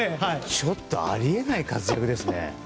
ちょっとあり得ない活躍ですね。